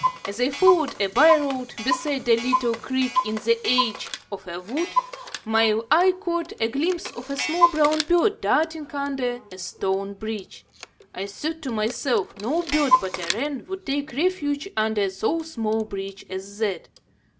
As I followed a byroad, beside a little creek in the edge of a wood, my eye caught a glimpse of a small brown bird darting under a stone bridge. I thought to myself no bird but a wren would take refuge under so small a bridge as that.